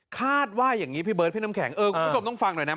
คาดว่าอย่างนี้พี่เบิร์ดพี่น้ำแข็งเออคุณผู้ชมต้องฟังหน่อยนะ